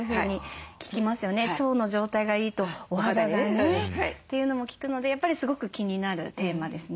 腸の状態がいいとお肌がねというのも聞くのでやっぱりすごく気になるテーマですね。